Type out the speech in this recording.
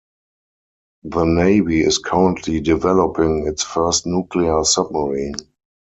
The Navy is currently developing its first nuclear submarine.